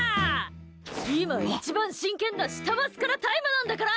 今、一番真剣な下マスカラタイムなんだから！